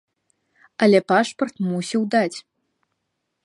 Але пашпарт мусіў даць.